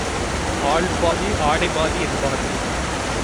ஆள்பாதி ஆடைபாதி என்பார்கள்.